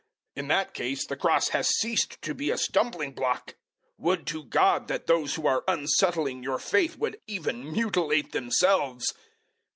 In that case the Cross has ceased to be a stumbling block! 005:012 Would to God that those who are unsettling your faith would even mutilate themselves.